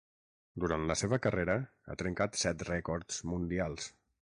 Durant la seva carrera, ha trencat set rècords mundials.